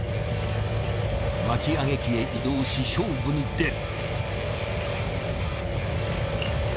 巻き上げ機へ移動し勝負に出る。